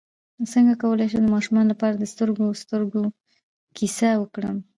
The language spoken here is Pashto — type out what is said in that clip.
څنګه کولی شم د ماشومانو لپاره د سترګو سترګو کیسه وکړم